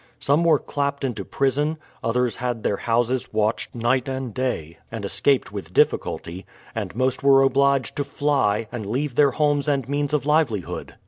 Some were clapped into prison ; others had their houses watched night and day, and escaped with difficulty; and most were obliged to fly, and leave their homes and means of livelihood.